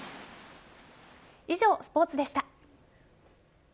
以上、スポーツでした。